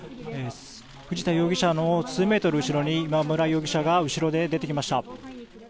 藤田容疑者の数メートル後ろで今村容疑者が後ろで出てきました。